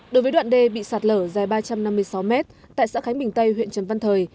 đối với đoạn đê bị sạt lở dài ba trăm năm mươi sáu mét tại xã khánh bình tây huyện trần văn thời